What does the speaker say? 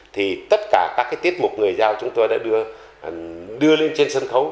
thì tất cả các cái tiết mục người giao chúng tôi đã đưa lên trên sân khấu